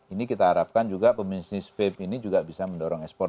ini kita harapkan juga pebisnis vape ini juga bisa mendorong ekspor